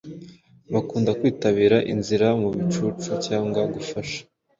bakunda kwitabira inzira mugicucu cyangwa gufaha,